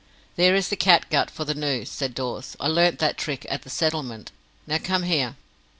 "There is the catgut for the noose," said Dawes. "I learnt that trick at the settlement. Now come here."